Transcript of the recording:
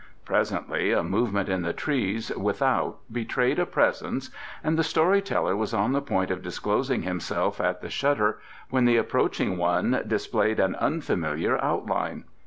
Presently a movement in the trees without betrayed a presence, and the story teller was on the point of disclosing himself at the shutter when the approaching one displayed an unfamiliar outline.